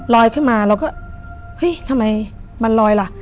ขึ้นมาเราก็เฮ้ยทำไมมันลอยล่ะ